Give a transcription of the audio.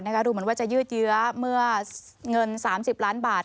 ดูเหมือนว่าจะยืดเยื้อเมื่อเงิน๓๐ล้านบาท